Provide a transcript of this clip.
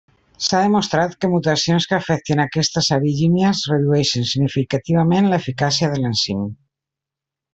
S'ha demostrat que mutacions que afectin aquestes arginines redueixen significativament l'eficàcia de l'enzim.